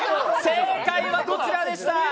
正解はこちらでした。